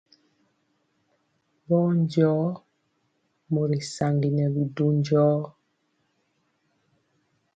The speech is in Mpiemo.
Bɔɔnjɔɔ mori saŋgi nɛ bi du njɔɔ.